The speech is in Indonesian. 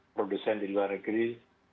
produsen di luar negeri